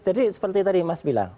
jadi seperti tadi mas bilang